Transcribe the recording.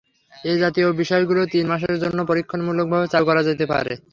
এ জাতীয় বিষয়গুলো তিন মাসের জন্যে পরীক্ষামূলকভাবে চালু করা যেতে পারে।